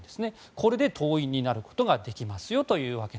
これで党員になることができますよと。